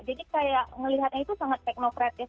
jadi kayak melihatnya itu sangat teknokratis